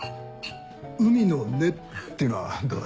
「海の音」っていうのはどうだ？